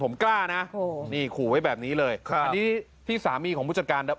ผมกล้านะโอ้โหนี่ขู่ไว้แบบนี้เลยค่ะอันนี้ที่สามีของผู้จัดการ